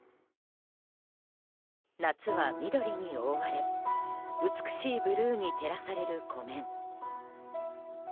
夏は緑に覆われ美しいブルーに照らされる湖面。